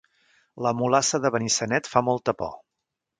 La mulassa de Benissanet fa molta por